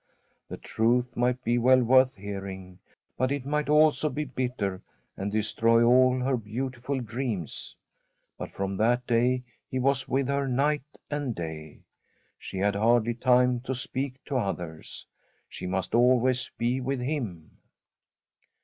The truth might be well worth hearing, but it might also be bitter, and destroy all her beautiful dreams. But from that day he was with her night and day. She had hardly time to speak to others. She must always be with him.